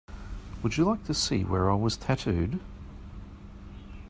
Would you like to see where I was tattooed?